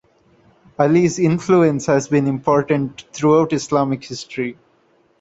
Ali's influence has been important throughout Islamic history.